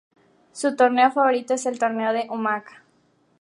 Su torneo favorito es el Torneo de Umag.